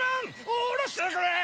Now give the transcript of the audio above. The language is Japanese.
おろしてくれ！